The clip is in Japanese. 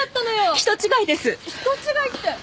人違いって。